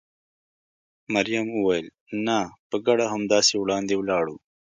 مريم وویل: نه، په ګډه همداسې وړاندې ولاړو.